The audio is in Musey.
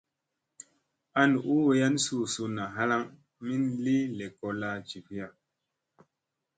An u wayan suu sunna halaŋ min li lekolla jiviya.